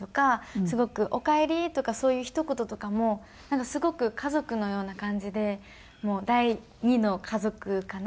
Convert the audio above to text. すごく「おかえり」とかそういうひと言とかもなんかすごく家族のような感じでもう第二の家族かなっていう感じはしますね。